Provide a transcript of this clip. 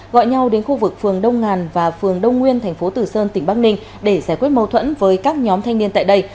gọi nhau đến khu vực phường đông ngàn và phường đông nguyên thành phố tử sơn tỉnh bắc ninh để giải quyết mâu thuẫn với các nhóm thanh niên tại đây